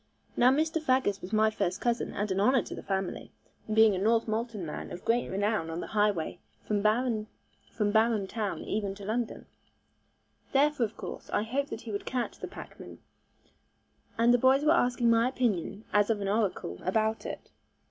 Now Mr. Faggus was my first cousin and an honour to the family, being a Northmolton man of great renown on the highway from Barum town even to London. Therefore of course, I hoped that he would catch the packmen, and the boys were asking my opinion as of an oracle, about it.